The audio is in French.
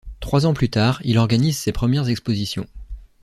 Trois ans plus tard, il organise ses premières expositions.